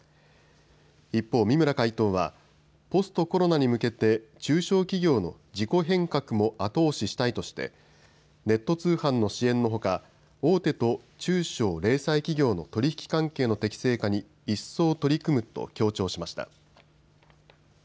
一方、三村会頭はポストコロナに向けて中小企業の自己変革も後押ししたいとしてネット通販の支援のほか大手と中小・零細企業の取り引き関係の適正化に一層取り組むと強調しました。